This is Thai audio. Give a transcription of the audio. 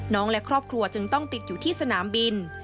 และครอบครัวจึงต้องติดอยู่ที่สนามบิน